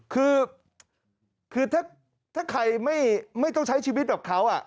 คือถ้าใครไม่ต้องใช้ชีวิตแบบเขา